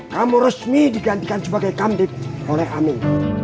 kamu resmi digantikan sebagai kamdip oleh amin